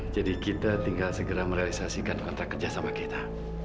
jadi kita tinggal segera merealisasikan kontrak kerja sama kita